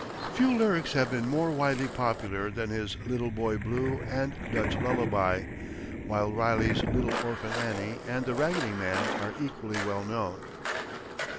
Few lyrics have been more widely popular than his "Little Boy Blue" and "Dutch Lullaby"; while Riley's "Little Orphant Annie" and "The Raggedy Man" are equally well known.